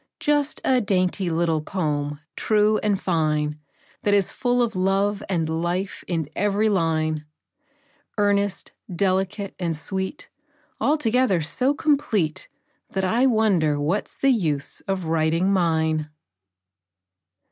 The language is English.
Just a dainty little poem, true and fine, That is full of love and life in every line, Earnest, delicate, and sweet, Altogether so complete That I wonder what's the use of writing mine.